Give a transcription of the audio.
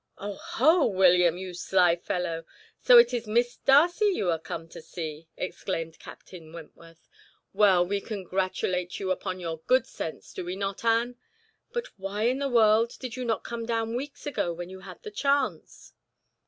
"Oho, William, you sly fellow, so it is Miss Darcy you are come to see?" exclaimed Captain Wentworth. "Well, we congratulate you upon your good sense, do we not, Anne? But why in the world did you not come down weeks ago, when you had the chance?"